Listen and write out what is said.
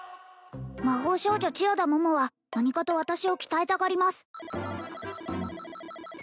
魔法少女・千代田桃は何かと私を鍛えたがります